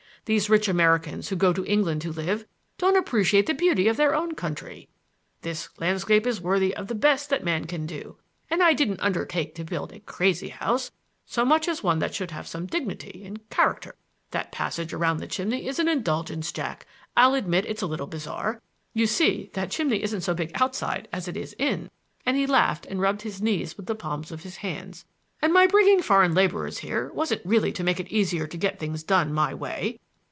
These rich Americans, who go to England to live, don't appreciate the beauty of their own country. This landscape is worthy of the best that man can do. And I didn't undertake to build a crazy house so much as one that should have some dignity and character. That passage around the chimney is an indulgence, Jack,— I'll admit it's a little bizarre,—you see that chimney isn't so big outside as it is in!"—and he laughed and rubbed his knees with the palms of his hands,—"and my bringing foreign laborers here wasn't really to make it easier to get things done my way.